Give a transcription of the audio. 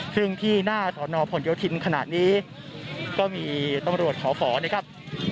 ซึ่งที่หน้าสอนอพหวนโยธินต์ขนาดนี้ก็มีตำรวจข่อฝรณ์นะครับ